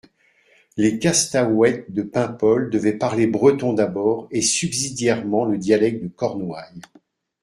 Les Costaouët de Paimpol devaient parler breton d'abord et subsidiairement le dialecte de Cornouailles.